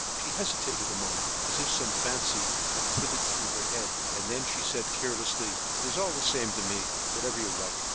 She hesitated a moment, as if some fancy had flitted through her head, and then she said carelessly: "It is all the same to me; whatever you like."